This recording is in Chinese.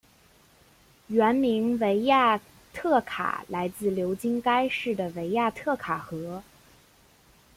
原名维亚特卡来自流经该市的维亚特卡河。